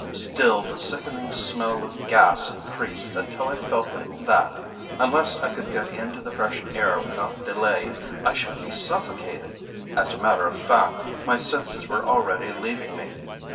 Still the sickening smell of gas increased, until I felt that, unless I could get into the fresh air without delay, I should be suffocated as a matter of fact my senses were already leaving me.